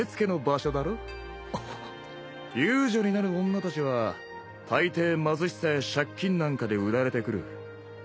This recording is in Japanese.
遊女になる女たちは臘貧しさや借金なんかで売られてくる。